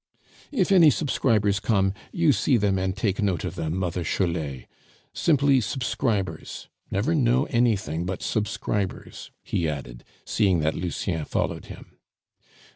"If any subscribers come, you see them and take note of them, Mother Chollet. Simply subscribers, never know anything but subscribers," he added, seeing that Lucien followed him.